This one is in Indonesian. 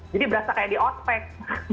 jadi berasa kayak di ospek